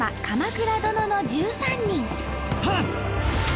「鎌倉殿の１３人」。